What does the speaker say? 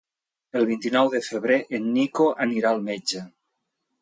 El vint-i-nou de febrer en Nico anirà al metge.